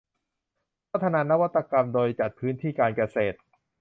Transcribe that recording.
พัฒนานวัตกรรมโดยจัดพื้นที่การเกษตร